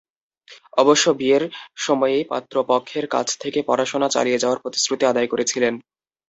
অবশ্য বিয়ের সময়েই পাত্রপক্ষের কাছ থেকে পড়াশোনা চালিয়ে যাওয়ার প্রতিশ্রুতি আদায় করেছিলেন।